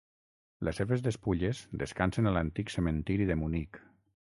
Les seves despulles descansen a l'antic cementiri de Munic.